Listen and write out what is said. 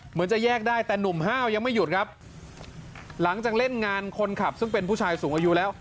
เหมือนจะแยกได้แต่หนุ่มห้าวยังไม่หยุดครับหลังจากเล่นงานคนขับซึ่งเป็นผู้ชายสูงอายุแล้ว